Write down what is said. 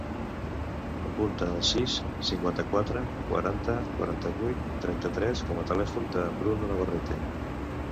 Apunta el sis, cinquanta-quatre, quaranta, quaranta-vuit, trenta-tres com a telèfon del Bruno Navarrete.